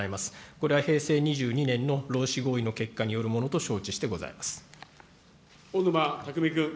これは平成２２年の労使合意の結果によるものと承知してございま小沼巧君。